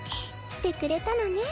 来てくれたのね。